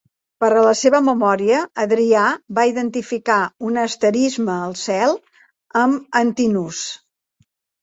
Per a la seva memòria Adrià va identificar un asterisme al cel amb Antinous.